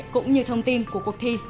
cũng như thông tin của cuộc thi